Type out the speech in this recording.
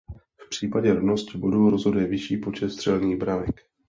V případě rovnosti bodů rozhoduje vyšší počet vstřelených branek.